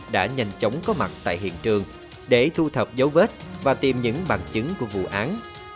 đã nhanh chóng có mặt tại hiện trường để thu thập dấu vết và tìm những bằng chứng của vụ án